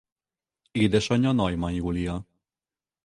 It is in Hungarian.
Édesanyja Neumann Júlia.